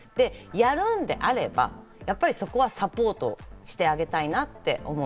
やるのであればそこはサポートしてあげたいなって思う。